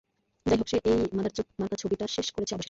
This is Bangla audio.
যাইহোক, সে এই মাদারচোদ মার্কা ছবিটা শেষ করেছে অবশেষে।